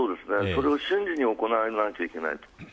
それを瞬時に行わないといけません。